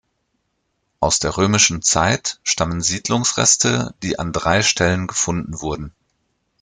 Aus der römischen Zeit stammen Siedlungsreste, die an drei Stellen gefunden wurden.